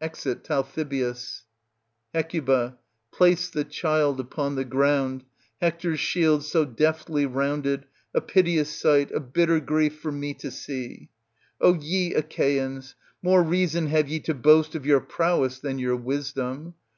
\_£xit Talthybius. HEa Place the shield upon the ground, Hector's shield so deftly rounded, a piteous sight, a bitter grief for me to see. O ye Achaeans, more reason have ye to boast of your prowess than your wisdom